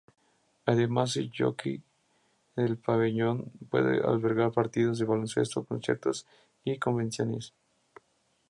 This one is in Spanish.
Además de hockey, el pabellón puede albergar partidos de baloncesto, conciertos y convenciones.